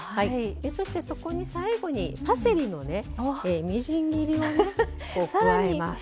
そして、そこに最後にパセリのみじん切りを加えます。